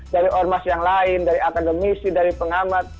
dari ormas yang lain dari akademisi dari pengamat